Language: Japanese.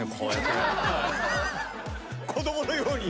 子供のように。